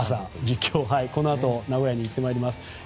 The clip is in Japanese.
このあと名古屋に行ってまいります。